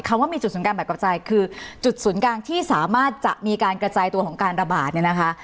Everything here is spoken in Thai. ว่ามีจุดศูนย์การแบบกระจายคือจุดศูนย์กลางที่สามารถจะมีการกระจายตัวของการระบาดเนี่ยนะคะ